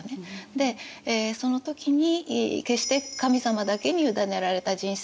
でその時に決して神様だけに委ねられた人生ではないだろう。